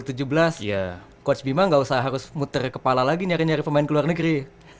coach bima gak usah harus muter kepala lagi nyari nyari pemain keluar negeri